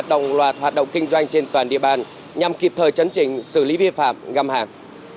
đồng loạt hoạt động kinh doanh trên toàn địa bàn nhằm kịp thời chấn chỉnh xử lý vi phạm găm hàng